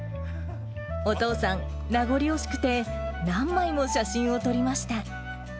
お父さん、名残惜しくて、何枚も写真を撮りました。